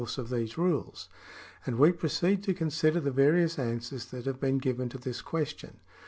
5 1 OTHER KINDS OF LAW 61 of these rules ; and we proceed to consider the various answers that have been given to this question.